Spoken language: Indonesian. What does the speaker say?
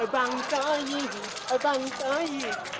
bang t'ai bang t'ai